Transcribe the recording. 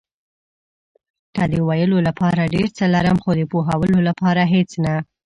کله د ویلو لپاره ډېر څه لرم، خو د پوهولو لپاره هېڅ نه.